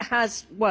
まあ！